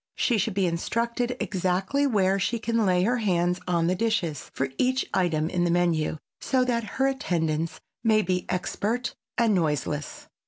She should be instructed exactly where she can lay her hands on the dishes for each item in the menu so that her attendance may be expert and noiseless.